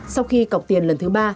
sau khi cọc tiền lần thứ ba